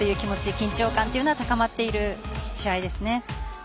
緊張感というのは高まっている試合です。